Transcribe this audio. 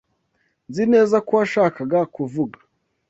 Nzi neza ko washakaga kuvuga.